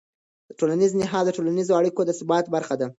ټولنیز نهاد د ټولنیزو اړیکو د ثبات برخه ده.